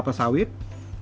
dan saya berharap